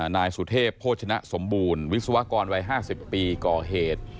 นายสุเทพโภชนะสมบูรณ์วิศวกรวัย๕๐ปีก่อเหตุ